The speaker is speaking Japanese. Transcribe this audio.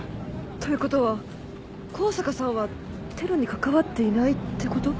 ということは香坂さんはテロに関わっていないってこと？